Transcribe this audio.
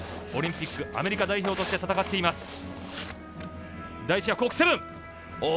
オリンピックアメリカ代表として戦っています。